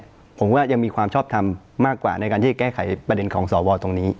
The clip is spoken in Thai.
ผมว่ายังมีความชอบทำมากกว่าในการที่จะแก้ไขประเด็นของสวตรงนี้